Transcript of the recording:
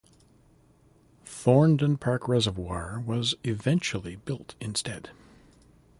Thorndon Park reservoir was eventually built instead.